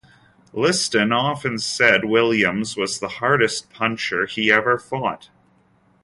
Liston often said Williams was the hardest puncher he ever fought.